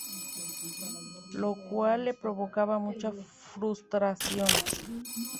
Lo cual le provocaba mucha frustración.